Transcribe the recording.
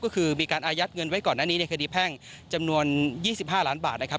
ก็คือมีการอายัดเงินไว้ก่อนหน้านี้ในคดีแพ่งจำนวน๒๕ล้านบาทนะครับ